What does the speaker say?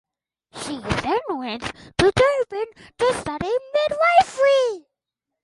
She then went to Durban to study midwifery.